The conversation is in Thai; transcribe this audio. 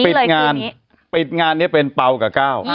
เปิดงานปิดงานเป็นเก้ากะเก้า